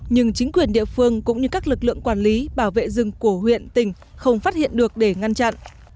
nhưng chính quyền địa phương cũng như các lực lượng quản lý bảo vệ rừng của huyện tỉnh không phát hiện được để ngăn chặn